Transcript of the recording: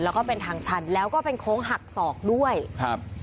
แล้วก็เป็นทางชันแล้วก็เป็นโค้งหักศอกด้วยครับ